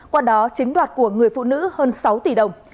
qua đó chiếm đoạt của người phụ nữ hơn sáu tỷ đồng